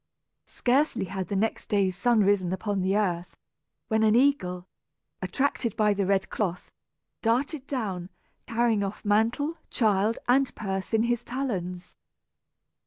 Scarcely had the next day's sun risen upon the earth, when an eagle, attracted by the red cloth, darted down, carrying off mantle, child, and purse in his talons.